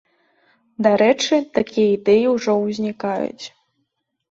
Дарэчы, такія ідэі ўжо ўзнікаюць.